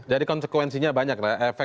jadi konsekuensinya banyak